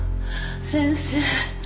先生。